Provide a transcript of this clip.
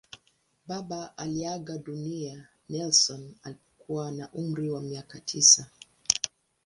Baba aliaga dunia Nelson alipokuwa na umri wa miaka tisa.